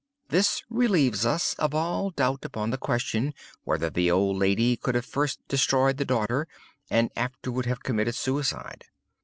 This relieves us of all doubt upon the question whether the old lady could have first destroyed the daughter and afterward have committed suicide.